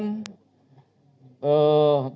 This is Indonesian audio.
dalam tanggap darurat ini